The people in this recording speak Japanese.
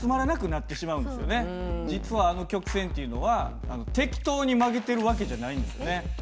実はあの曲線っていうのは適当に曲げてる訳じゃないんですよね。